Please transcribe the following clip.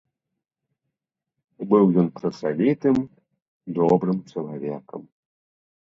Быў ён працавітым добрым чалавекам.